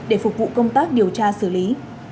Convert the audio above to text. để phục vụ công tác điều tra xử lý